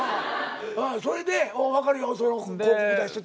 それで分かるよ広告出してた。